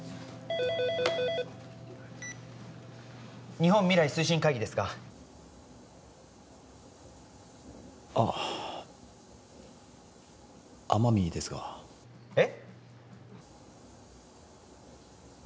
日本未来推進会議ですがあっ天海ですがえっ？